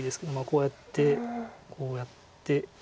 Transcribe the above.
こうやってこうやって。